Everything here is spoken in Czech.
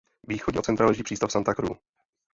Východně od centra leží "přístav Santa Cruz".